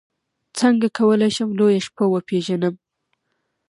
څنګه کولی شم لویه شپه وپېژنم